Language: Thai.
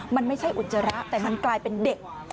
มันไม่ใช่อุจจาระแต่มันกลายเป็นเด็ก